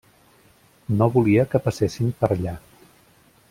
No volia que passessin per allà.